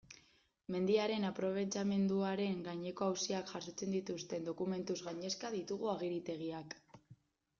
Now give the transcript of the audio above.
Mendiaren aprobetxamenduaren gaineko auziak jasotzen dituzten dokumentuz gainezka ditugu agiritegiak.